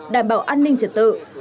đảm bảo an ninh trật tự